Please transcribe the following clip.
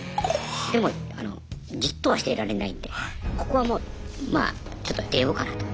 でもあのじっとはしていられないんでここはもうまあちょっと出ようかなと。